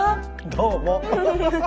どうも！